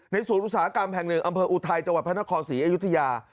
ในศูนย์อุตสาหการแผ่ง๑อำเภออูทัยจังหวัดพระนครศรีอยุธยา